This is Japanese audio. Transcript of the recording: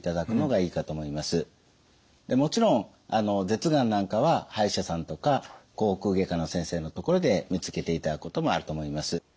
でもちろん舌がんなんかは歯医者さんとか口腔外科の先生のところで見つけていただくこともあると思います。